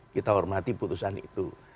kita hormati putusan itu